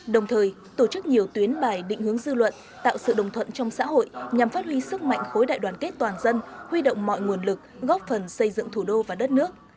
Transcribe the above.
đồng thời tổ chức nhiều tuyến bài định hướng dư luận tạo sự đồng thuận trong xã hội nhằm phát huy sức mạnh khối đại đoàn kết toàn dân huy động mọi nguồn lực góp phần xây dựng thủ đô và đất nước